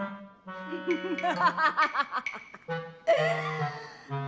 baik bakal eik buktikan sekarang